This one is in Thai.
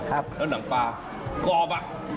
แล้วหนังปลากรอบอ่ะ